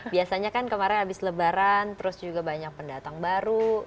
biasanya kan kemarin habis lebaran terus juga banyak pendatang baru